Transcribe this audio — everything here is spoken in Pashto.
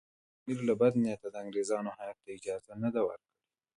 ګواکې امیر له بده نیته د انګریزانو هیات ته اجازه نه ده ورکړې.